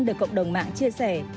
được cộng đồng mạng chia sẻ